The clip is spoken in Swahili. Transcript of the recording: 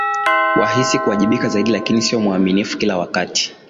wahisi kuwajibika zaidi Lakini sio waaminifu kila wakati